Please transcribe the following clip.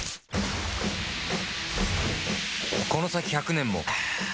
この先１００年もアーーーッ‼